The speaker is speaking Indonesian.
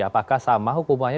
apakah sama hukumannya